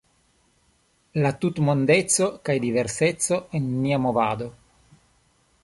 La tutmondeco kaj diverseco en nia movado.